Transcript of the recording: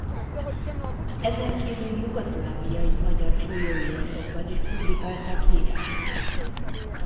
Ezenkívül jugoszláviai magyar folyóiratokban is publikálták írásait.